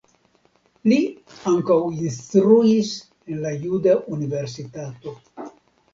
Li ankaŭ instruis en la Juda Universitato.